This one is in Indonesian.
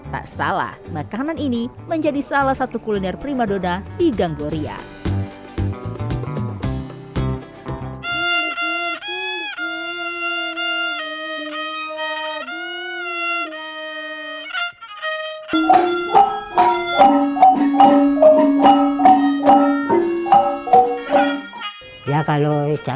tak salah makanan ini menjadi salah satu kuliner primadona di ganggloria